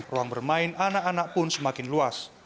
ruang bermain anak anak pun semakin luas